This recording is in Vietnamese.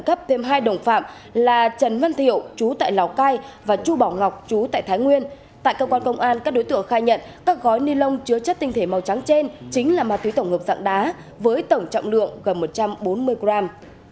chính là ma túy tổng ngợp dạng đá với tổng trọng lượng gần một trăm bốn mươi gram